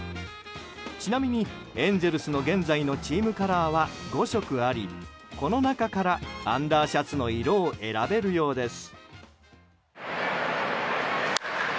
ちなみにエンゼルスの現在のチームカラーは５色あり、この中からアンダーシャツの色を選べるようです。